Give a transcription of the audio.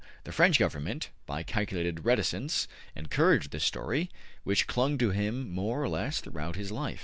The French Government, by calculated reticence, encouraged this story, which clung to him more or less throughout his life.